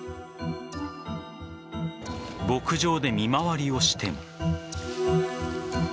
牧場で見回りをしても。